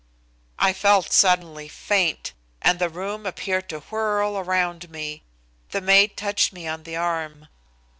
I felt suddenly faint, and the room appeared to whirl around me. The maid touched me on the arm.